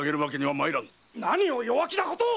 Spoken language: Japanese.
何を弱気なことを！